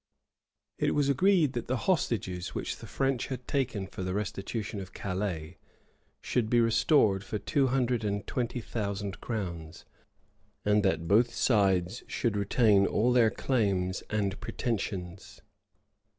} It was agreed, that the hostages which the French had given for the restitution of Calais, should be restored for two hundred and twenty thousand crowns; and that both sides should retain all their claims and pretensions.